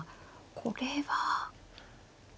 これは。